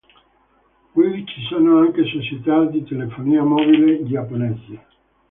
Qui ci sono anche società di telefonia mobile giapponese.